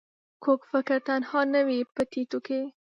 کوږ فکر تنها نه وي په ټيټو کې